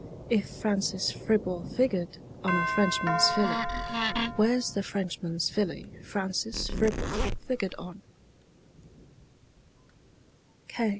If Francis Fribble figured on a Frenchman's Filly, Where's the Frenchman's Filly Francis Fribble figured on?